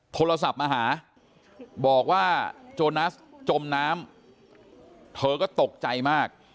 โทรศัพท์มาหาบอกว่าโจนัสจมน้ำเธอก็ตกใจมาก